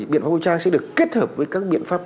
biện pháp vũ trang sẽ được kết hợp với các biện pháp